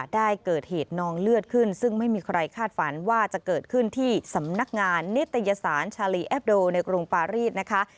ได้เกิดเหตุนองเลือดขึ้นซึ่งไม่มีใครคาดฝันว่าจะเกิดขึ้นที่สำนักงานนิตยสารชาลีแอปโดในกรุงปารีสนะคะ